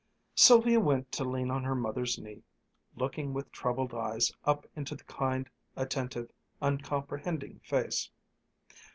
Sylvia went to lean on her mother's knee, looking with troubled eyes up into the kind, attentive, uncomprehending face.